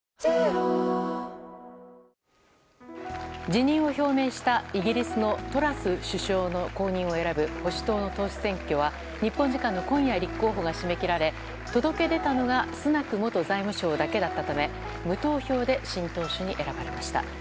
辞任を表明した、イギリスのトラス首相の後任を選ぶ保守党の党首選挙は日本時間の今夜立候補が締め切られ届け出たのがスナク元財務相だけだったため無投票で新党首に選ばれました。